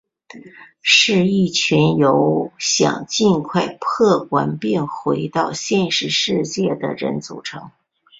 是由一群想尽快破关并回到现实世界的人组成。